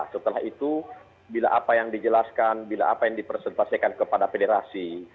setelah itu bila apa yang dijelaskan bila apa yang dipresentasikan kepada federasi